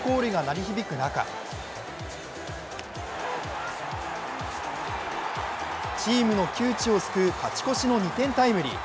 ＵＳＡコールが鳴り響く中チームの窮地を救う勝ち越しの２点タイムリー。